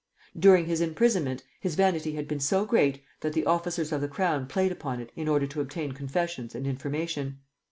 During his imprisonment his vanity had been so great that the officers of the Crown played upon it in order to obtain confessions and information.